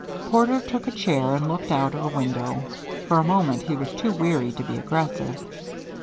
Porter took a chair and looked out of the window. For a moment he was too weary to be aggressive.